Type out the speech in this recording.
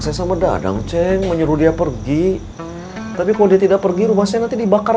saya sama dadang ceng menyuruh dia pergi tapi kalau dia tidak pergi rumah saya nanti dibakar